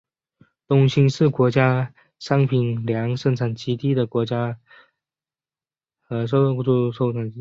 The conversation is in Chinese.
东兴是国家商品粮生产基地和国家瘦肉型猪生产基地。